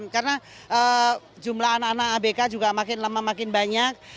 karena jumlah anak anak abk juga makin lama makin banyak